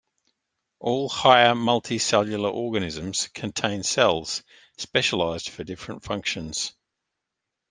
All higher multicellular organisms contain cells specialised for different functions.